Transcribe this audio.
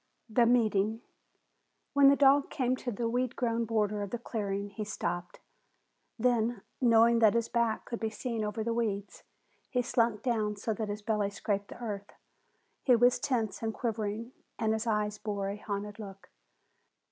THE MEETING When the dog came to the weed grown border of the clearing, he stopped. Then, knowing that his back could be seen over the weeds, he slunk down so that his belly scraped the earth. He was tense and quivering, and his eyes bore a haunted look.